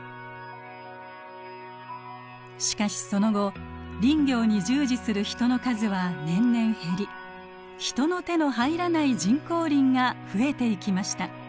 しかしその後林業に従事する人の数は年々減り人の手の入らない人工林が増えていきました。